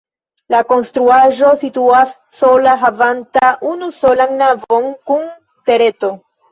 La konstruaĵo situas sola havanta unusolan navon kun tureto.